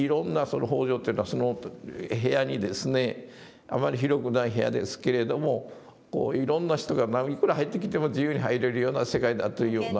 方丈というのはその部屋にあまり広くない部屋ですけれどもいろんな人がいくら入ってきても自由に入れるような世界だというような。